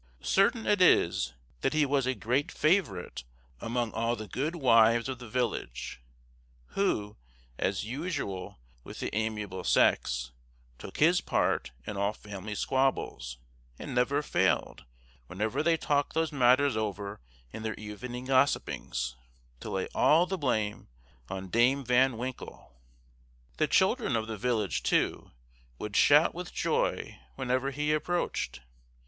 Certain it is, that he was a great favorite among all the good wives of the village, who, as usual with the amiable sex, took his part in all family squabbles, and never failed, whenever they talked those matters over in their evening gossipings, to lay all the blame on Dame Van Winkle. The children of the village, too, would shout with joy whenever he approached.